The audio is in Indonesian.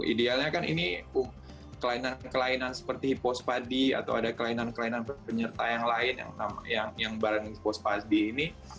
idealnya kan ini kelainan kelainan seperti hipospadi atau ada kelainan kelainan penyerta yang lain yang barang hipospadi ini